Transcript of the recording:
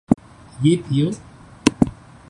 یہ پیو